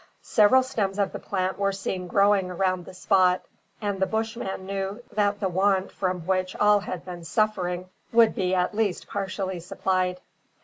Several stems of the plant were seen growing around the spot, and the Bushman knew that the want from which all had been suffering, would be at least partially supplied.